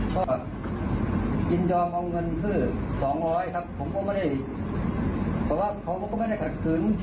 ก็ยินยอมเอาเงินเพื่อสองร้อยครับผมก็ไม่ได้เพราะว่าเขาก็ไม่ได้ขัดขืน